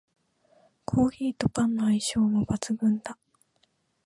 コーヒーとパンの相性も抜群だ